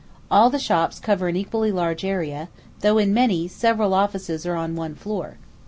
All the shops cover an equally large area, though, in many, several offices are on one floor.